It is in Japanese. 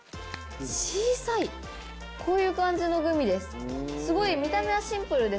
こういう感じのグミです。